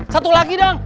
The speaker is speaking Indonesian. satu lagi dang